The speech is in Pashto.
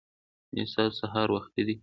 ایا ستاسو سهار وختي دی؟